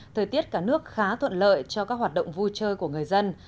thời tiết cả nước khá thuận lợi cho các hoạt động vui chơi của người dân